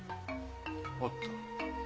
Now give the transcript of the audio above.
あった。